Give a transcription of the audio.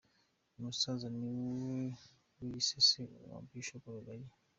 Uyu musaza niwe wiyise Se wa Bishop Rugagi.